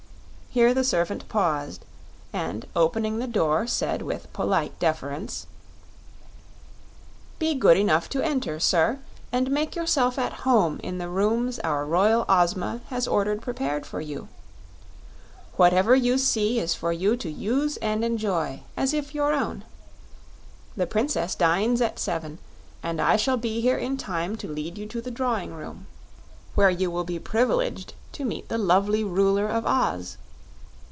Here the servant paused, and opening the door said with polite deference: "Be good enough to enter, sir, and make yourself at home in the rooms our Royal Ozma has ordered prepared for you. Whatever you see is for you to use and enjoy, as if your own. The Princess dines at seven, and I shall be here in time to lead you to the drawing room, where you will be privileged to meet the lovely Ruler of Oz.